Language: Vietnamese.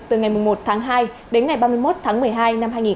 từ ngày một tháng hai đến ngày ba mươi một tháng một mươi hai